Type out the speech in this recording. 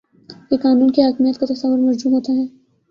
کہ قانون کی حاکمیت کا تصور مجروح ہوتا ہے